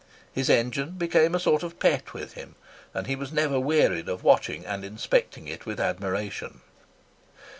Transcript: His engine became a sort of pet with him, and he was never wearied of watching and inspecting it with admiration.